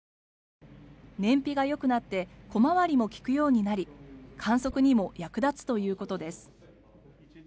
燃費がよくなって小回りも利くようになり観測にも役立つということです。